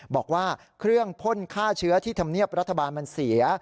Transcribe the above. บอกว่าเครื่องพ่นฆ่าเชื้อที่ธรรมเนียบรัฐบาลมันเสีย